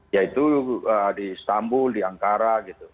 yaitu di istanbul di ankara gitu